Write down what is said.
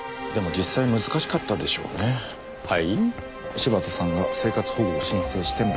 柴田さんが生活保護を申請しても。